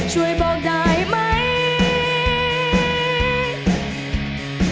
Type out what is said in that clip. ช่วยบอกได้ไหม